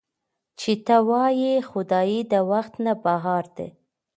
چې تۀ وائې خدائے د وخت نه بهر دے